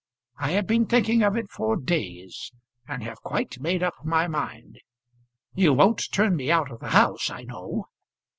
I have been thinking of it for days, and have quite made up my mind. You won't turn me out of the house, I know."